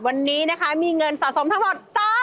วันนี้นะคะมีเงินสะสมทั้งหมด๓๐๐๐๐บาท